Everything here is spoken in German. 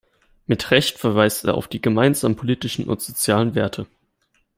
Mit Recht verweist er auf die gemeinsamen politischen und sozialen Werte.